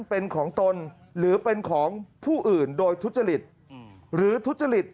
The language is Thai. เป็นของตนหรือเป็นของผู้อื่นโดยทุจริตหรือทุจริต